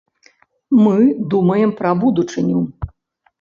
Мы думаем пра будучыню.